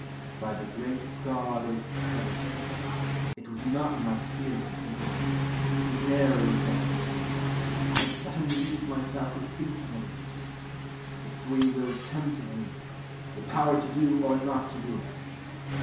By the great <Iod of Heaven! It was not My serious meaning, it was ne'er resolve. I but amused myself with thinking of it. The free will tempted me, the power to do Or not to do it.